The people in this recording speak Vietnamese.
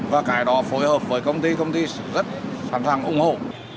và cái đó phối hợp với công ty công ty rất thẳng thẳng ủng hộ